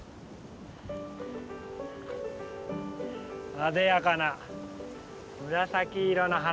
あでやかな紫色の花。